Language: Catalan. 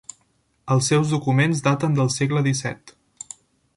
El seus documents daten del segle disset.